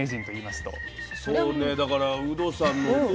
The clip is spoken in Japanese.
そうねだからウドさん。